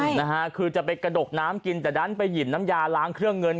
ใช่นะฮะคือจะไปกระดกน้ำกินแต่ดันไปหยิบน้ำยาล้างเครื่องเงิน